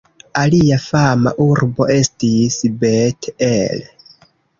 Alia fama urbo estis Bet-El.